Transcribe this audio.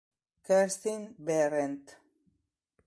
Kerstin Behrendt